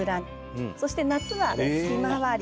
そして夏はひまわり。